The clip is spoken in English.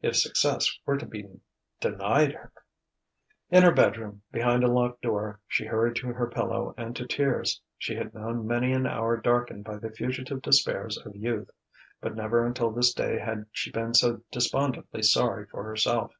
If success were to be denied her!... In her bedroom, behind a locked door, she hurried to her pillow and to tears. She had known many an hour darkened by the fugitive despairs of youth; but never until this day had she been so despondently sorry for herself.